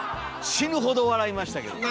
死ぬほど笑いましたけどね。